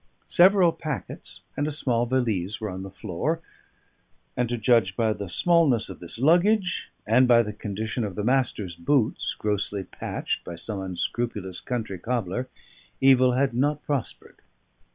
Several packets and a small valise were on the floor; and to judge by the smallness of this luggage, and by the condition of the Master's boots, grossly patched by some unscrupulous country cobbler, evil had not prospered.